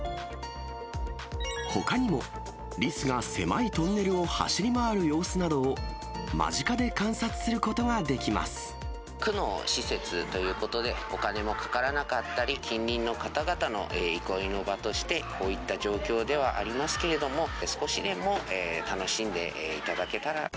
ほかにも、リスが狭いトンネルを走り回る様子などを間近で観察することがで区の施設ということで、お金もかからなかったり、近隣の方々の憩いの場として、こういった状況ではありますけれども、少しでも楽しんでいただけたら。